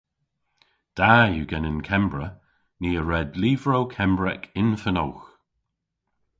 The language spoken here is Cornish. Da yw genen Kembra. Ni a red lyvrow Kembrek yn fenowgh.